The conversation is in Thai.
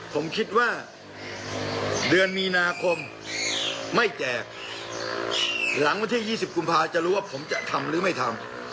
ผมคิดว่าเดือนมีนาคมไม่แจกหลังวันที่๒๐กุมภาจะรู้ว่าผมจะทำหรือไม่ทำ